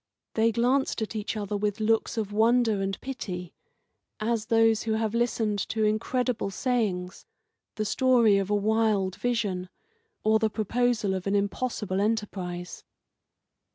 They glanced at each other with looks of wonder and pity, as those who have listened to incredible sayings, the story of a wild vision, or the proposal of an impossible enterprise.